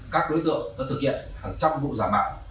các đối tượng đã thực hiện hàng trăm vụ giả mạo